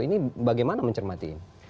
ini bagaimana mencermati